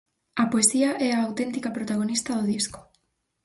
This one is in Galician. A poesía é a auténtica protagonista do disco.